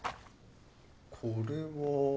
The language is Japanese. これは。